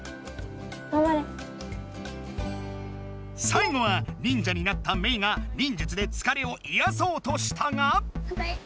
最後は忍者になったメイが忍術で疲れをいやそうとしたが。